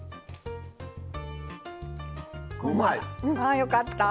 ああよかった。